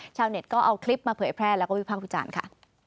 ชาวเน็ตก็เอาคลิปมาเผยแพร่แล้วก็วิพากษ์วิจารณ์ค่ะ